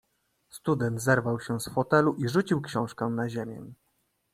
"Student zerwał się z fotelu i rzucił książkę na ziemię."